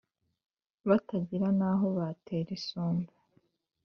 batagira n'aho batera isombe